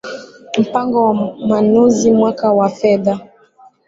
Mpango wa Manunuzi mwaka wa fedha